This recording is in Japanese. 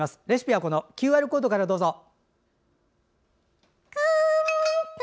レシピはＱＲコードからどうぞ。